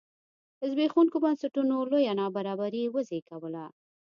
زبېښوونکو بنسټونو لویه نابرابري وزېږوله.